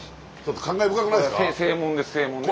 感慨深くないですか？